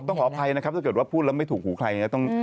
ต้องขออภัยนะครับถ้าเกิดว่าพูดแล้วไม่ถูกขู่ใคร